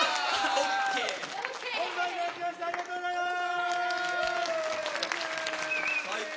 「ＯＫ」ありがとうございます。